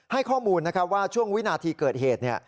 ให้ข้อมูลว่าช่วงวินาทีเกิดเหตุ